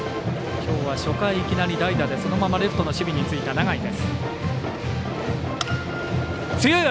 きょうは初回いきなり代打でそしてレフトの守備についた永井です。